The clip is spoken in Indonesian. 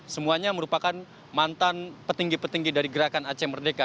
semuanya merupakan mantan petinggi petinggi dari gerakan aceh merdeka